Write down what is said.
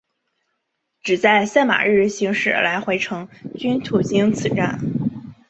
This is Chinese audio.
只在赛马日行驶来回程均途经此站。